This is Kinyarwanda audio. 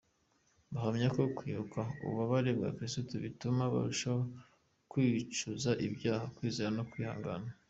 Bahamya ko kwibuka ububabare bwa Yezu bituma barushaho kwicuza ibyaha, kwizera no kwihangana.